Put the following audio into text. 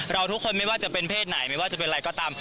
เราทุกคนไม่ว่าจะเป็นเพศไหนไม่ว่าจะเป็นอะไรก็ตาม